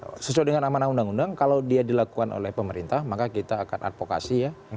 kalau sesuai dengan amanah undang undang kalau dia dilakukan oleh pemerintah maka kita akan advokasi ya